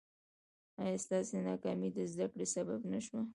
ایا ستاسو ناکامي د زده کړې سبب نه شوه؟